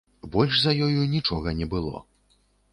Больш за ёю нічога не было.